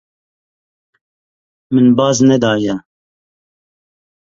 Min baz nedaye.